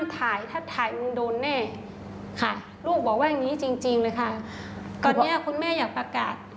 ตอนนี้คุณแม่อยากประกาศ